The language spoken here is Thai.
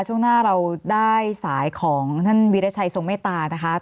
ช่วงหน้าเราได้สายของท่านวิรชัยทรงเมตตานะคะ